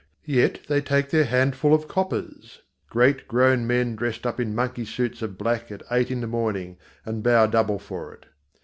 Yet they take their handful of coppers great grown men dressed up in monkey suits of black at eight in the morning and bow double for it.